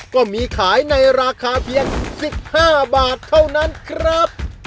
ก็มีขายในราคาเพียง๑๕บาทเท่านั้นครับ